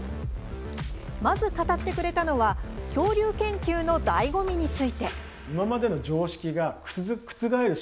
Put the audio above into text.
まず、語ってくれたのは恐竜研究のだいご味について。